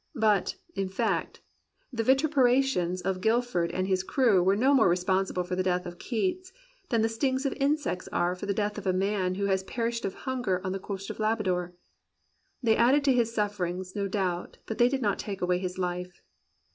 But, in fact, the vi tuperations of Gifford and his crew were no more responsible for the death of Keats, than the stings of insects are for the death of a man who has perished of himger on the coast of Labrador. They added to his sufferings, no doubt, but they did not take away his life.